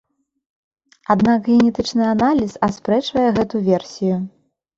Аднак генетычны аналіз аспрэчвае гэту версію.